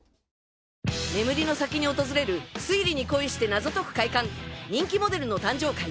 眠りの先に訪れる推理に恋して謎解く快感人気モデルの誕生会。